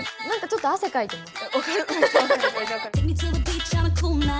何かちょっと汗かいてます。